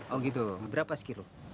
oh gitu berapa sekiru